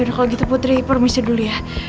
yaudah kalo gitu putri permisi dulu ya